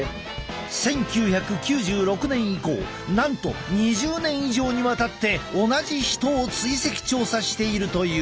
１９９６年以降なんと２０年以上にわたって同じ人を追跡調査しているという。